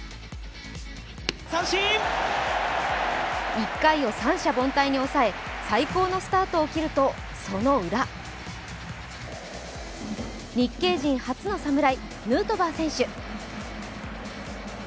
１回を三者凡退に抑え、最高のスタートを切るとそのウラ、日系人初の侍、ヌートバー選手。